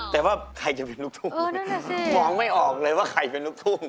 เธอจะลองเลยว่าใครเป็นลูกทุ่ง